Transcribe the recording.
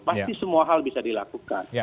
pasti semua hal bisa dilakukan